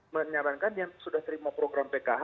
menyarankan yang sudah terima program pkh